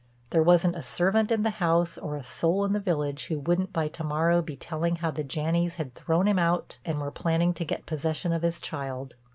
There wasn't a servant in the house or a soul in the village who wouldn't by to morrow be telling how the Janneys had thrown him out and were planning to get possession of his child.